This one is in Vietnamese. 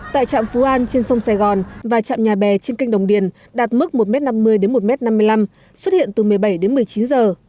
tại trạm phú an trên sông sài gòn và trạm nhà bè trên kênh đồng điền đạt mức một năm mươi đến một m năm mươi năm xuất hiện từ một mươi bảy đến một mươi chín giờ